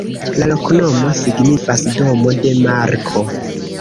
La loknomo signifas: domo de Marko.